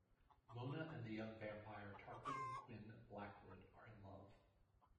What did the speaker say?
Mona and the young vampire Tarquin "Quinn" Blackwood are in love.